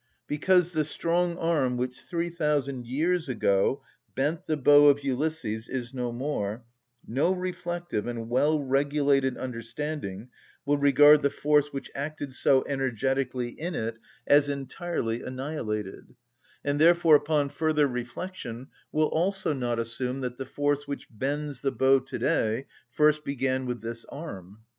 Because the strong arm which, three thousand years ago, bent the bow of Ulysses is no more, no reflective and well‐regulated understanding will regard the force which acted so energetically in it as entirely annihilated, and therefore, upon further reflection, will also not assume that the force which bends the bow to‐day first began with this arm.